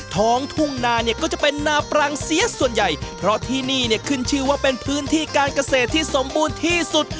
ทุ่งนาเนี่ยก็จะเป็นนาปรังเสียส่วนใหญ่เพราะที่นี่เนี่ยขึ้นชื่อว่าเป็นพื้นที่การเกษตรที่สมบูรณ์ที่สุด